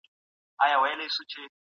کلتور پر سياسي پريکړو مستقيم اغېز لري.